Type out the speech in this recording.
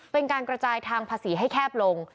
เป็นการกระจายทางภาษีให้แคบลง